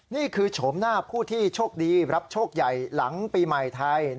โฉมหน้าผู้ที่โชคดีรับโชคใหญ่หลังปีใหม่ไทย